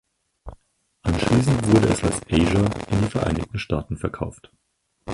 Anschließend wurde es als "Asia" in die Vereinigten Staaten verkauft.